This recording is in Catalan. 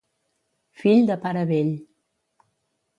Fill de pare vell.